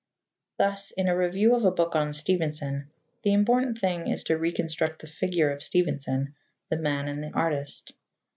Thus, in a review of a book on Stevenson, the important thing is to reconstruct the figure of Stevenson, the man and the artist.